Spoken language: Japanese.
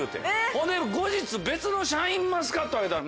ほんで後日別のシャインマスカットあげたら。